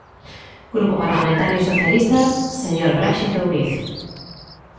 Grupo Parlamentario Socialista, señor Braxe Touriz.